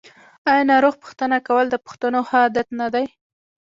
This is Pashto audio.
آیا ناروغ پوښتنه کول د پښتنو ښه عادت نه دی؟